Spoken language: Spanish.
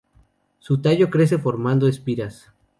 Su tallo crece formando espiras.